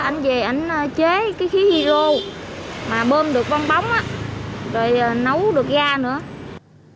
anh về anh chế cái khí hero mà bơm được bong bóng rồi nấu được ga nữa